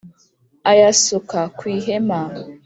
ayasuka ku ihema